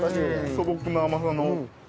素朴な甘さの。